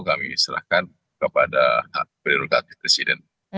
kami serahkan kepada hak prerogatif presiden